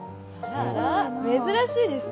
珍しいですね。